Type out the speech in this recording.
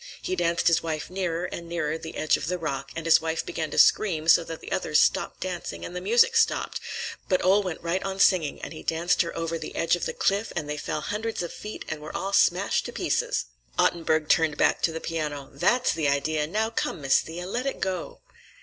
He danced his wife nearer and nearer the edge of the rock, and his wife began to scream so that the others stopped dancing and the music stopped; but Ole went right on singing, and he danced her over the edge of the cliff and they fell hundreds of feet and were all smashed to pieces." Ottenburg turned back to the piano. "That's the idea! Now, come Miss Thea. Let it go!"